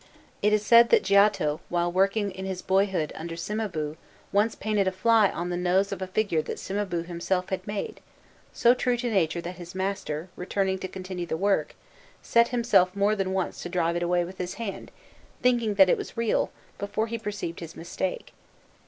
It is said that Giotto, while working in his boyhood under Cimabue, once painted a fly on the nose of a figure that Cimabue himself had made, so true to nature that his master, returning to continue the work, set himself more than once to drive it away with his hand, thinking that it was real, before he perceived his mistake.